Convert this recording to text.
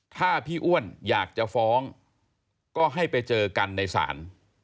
ถ้าพี่อ้วนอยากจะฟ้องก็ให้ไปเจอกันในศาล